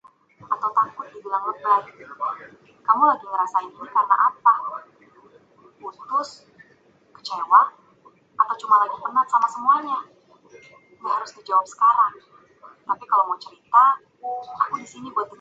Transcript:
Its name is a reference to Williamson's origins in Oriental, North Carolina.